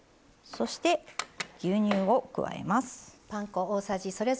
そして牛乳を加えます。